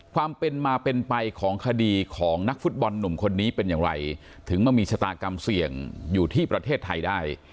ความเป็นมาเป็นไปของคดีของนักฟุตบอลหนุ่มคนนี้เป็นอย่างไรถึงมามีชะตากรรมเสี่ยงอยู่ที่ประเทศไทยได้